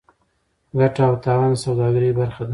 ګټه او تاوان د سوداګرۍ برخه ده.